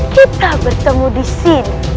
kita bertemu disini